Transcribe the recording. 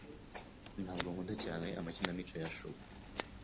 Ntabwo nkunda cyane amakinamico ya Shaw.